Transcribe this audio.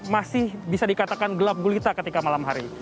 masih bisa dikatakan gelap gulita ketika malam hari